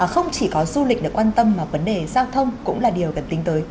không chỉ có du lịch được quan tâm mà vấn đề giao thông cũng là điều cần tính tới